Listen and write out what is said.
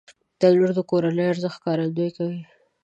تنور د کورنی ارزښت ښکارندويي کوي